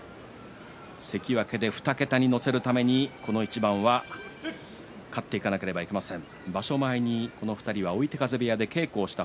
関脇で２桁に乗せるためにこの一番勝たなければいけません。